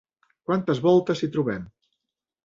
Quantes voltes hi trobem?